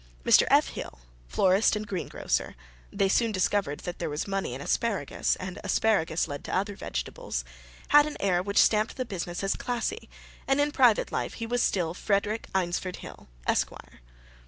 Mr. F. Hill, florist and greengrocer (they soon discovered that there was money in asparagus; and asparagus led to other vegetables), had an air which stamped the business as classy; and in private life he was still Frederick Eynsford Hill, Esquire.